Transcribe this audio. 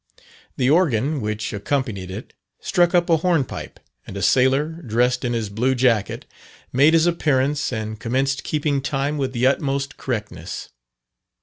The organ which accompanied it struck up a hornpipe, and a sailor, dressed in his blue jacket, made his appearance and commenced keeping time with the utmost correctness.